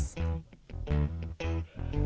meratakan hingga tahap merapikan sampai simetris